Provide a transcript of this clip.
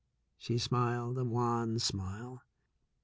She smiled a wan smile.